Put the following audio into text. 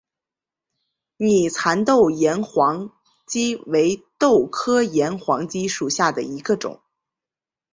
拟蚕豆岩黄耆为豆科岩黄耆属下的一个种。